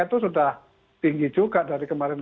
itu sudah tinggi juga dari kemarin